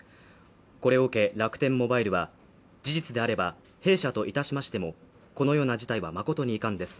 これを受け楽天モバイルは事実であれば弊社といたしましてもこのような事態は誠に遺憾です